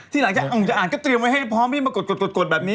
ที่หลังจะอ่านกระเตียมไว้ให้พร้อมมากดแบบนี้